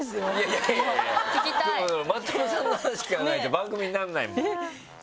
真飛さんの話聞かないと番組になんないもん。